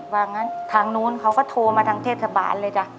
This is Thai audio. ว่างั้นทางนู้นเขาก็โทรมาทางเทศบาลเลยจ้ะ